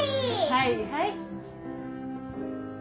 はいはい。